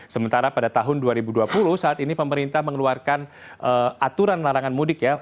sementara pada tahun dua ribu dua puluh saat ini pemerintah mengeluarkan aturan larangan mudik ya